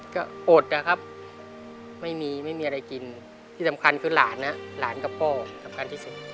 ก็โอดครับไม่มีไม่มีอะไรกินที่สำคัญคือหลานครับหลานก็ป้องที่สุด